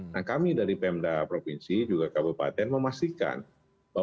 nah kami dari pemda provinsi juga kabupaten memastikan bahwa lingkungan adalah kondusif aman nyaman menyenangkan